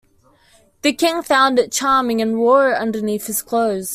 The king found it charming and wore it underneath his clothes.